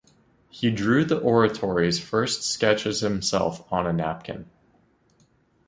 He drew the oratory's first sketches himself on a napkin.